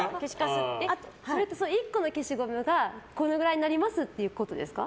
それって、１個の消しゴムがこのぐらいになりますってこと？